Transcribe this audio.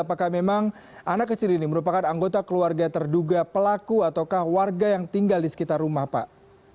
apakah memang anak kecil ini merupakan anggota keluarga terduga pelaku ataukah warga yang tinggal di sekitar rumah pak